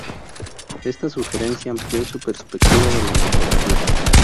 Esta sugerencia amplió su perspectiva de la literatura.